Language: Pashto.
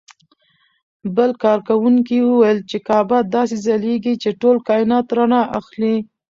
بل کاروونکي وویل چې کعبه داسې ځلېږي چې ټول کاینات رڼا اخلي.